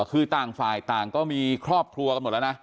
คือต่างฝ่ายต่างก็มีครอบครัวกันหมดแล้วนะ